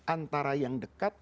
antara yang dekat